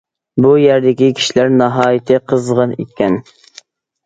بۇ يەردىكى كىشىلەر ناھايىتى قىزغىن ئىكەن.